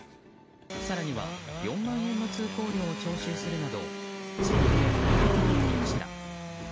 更には４万円の通行料を徴収するなど地元で問題となっていました。